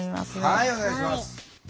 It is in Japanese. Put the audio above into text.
はいお願いします。